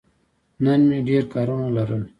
نن مې ډېر کارونه لرل.